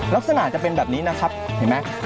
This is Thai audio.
ลักษณะจะเป็นแบบนี้นะครับเห็นไหม